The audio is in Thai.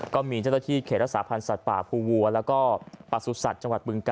ก็มีเจ้าหน้าที่เขตรักษาพันธ์สัตว์ป่าภูวัวแล้วก็ประสุทธิ์จังหวัดบึงกา